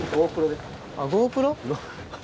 あっゴープロ？